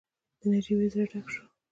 د نجيبې زړه ډک شو.